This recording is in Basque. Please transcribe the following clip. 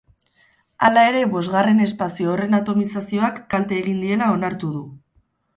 Hala ere, bosgarren espazio horren atomizazioak kalte egin diela onartu du.